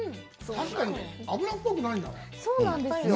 確かに、脂っぽくないんだね。